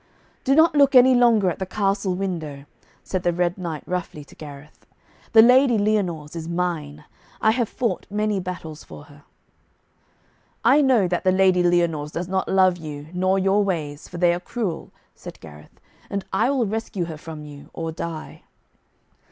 'Do not look any longer at the castle window,' said the Red Knight roughly to Gareth. 'The Lady Lyonors is mine. I have fought many battles for her.' 'I know that the Lady Lyonors does not love you nor your ways, for they are cruel,' said Gareth, 'and I will rescue her from you, or die.'